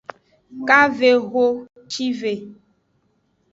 Kavehocive.